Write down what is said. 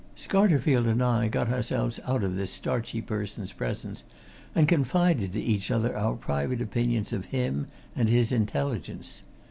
Scarterfield and I got ourselves out of this starchy person's presence and confided to each other our private opinions of him and his intelligence.